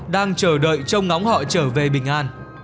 đang chờ đợi trông ngóng họ trở về bình an